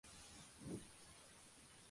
El puñetero mocoso era más malo que un dolor